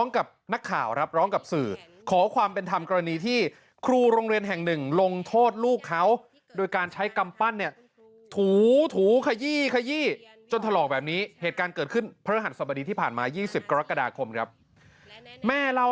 การงานอาชีพและแนว